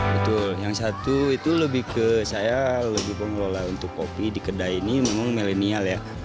betul yang satu itu lebih ke saya lebih pengelola untuk kopi di kedai ini memang milenial ya